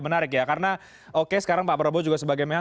menarik ya karena oke sekarang pak prabowo juga sebagainya